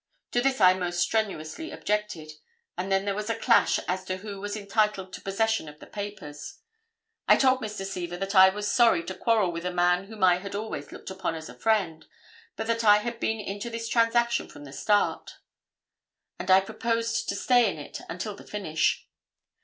To this I most strenuously objected, and then there was a clash as to who was entitled to possession of the papers. I told Mr. Seaver that I was sorry to quarrel with a man whom I had always looked upon as a friend, but that I had been into this transaction from the start, and I proposed to stay in it until the finish.